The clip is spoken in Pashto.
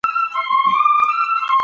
ایا هلک د انا په مینه پوهېږي؟